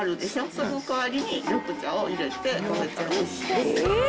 その代わりに緑茶を入れて食べたりする。